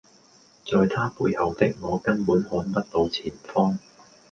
在他背後的我根本看不到前方